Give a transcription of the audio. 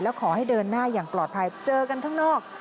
แล้วขอให้เดินหน้าอย่างปลอดภัยเจอกันข้างนอก